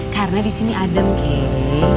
karena di sini adem kek